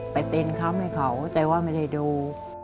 ไปเต้นคำให้เขาแต่ว่าไม่ได้ดู